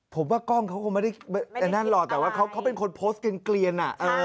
ผมว่าก้องเค้าคงไม่ได้นั่นหรอกแต่ว่าเค้าเป็นคนโพสต์เกลียนน่ะ